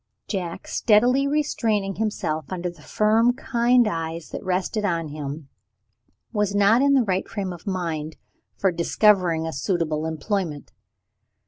Jack, steadily restraining himself under the firm kind eyes that rested on him, was not in the right frame of mind for discovering a suitable employment.